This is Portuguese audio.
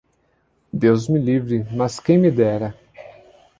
Deus me livre, mas quem me dera